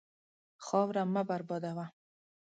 خاوره مه بربادوه.